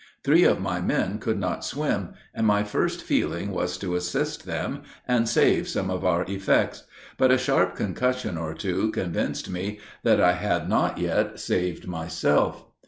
Three of my men could not swim, and my first feeling was to assist them, and save some of our effects; but a sharp concussion or two convinced me that I had not yet saved myself.